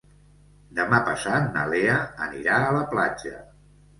Demà passat na Lea anirà a la platja.